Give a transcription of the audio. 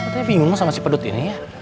katanya bingung sama si pedut ini ya